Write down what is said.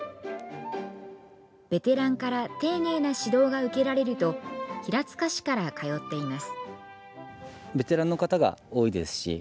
ベテランから丁寧な指導が受けられると平塚市から通っています。